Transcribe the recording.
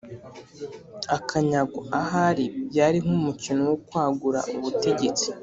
akanyagwa ahari byari nk' umukino wo kwagura ubutegetsi,